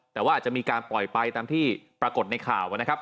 แต่ว่าจะมีการปล่อยไปตามที่ประกดในข่าว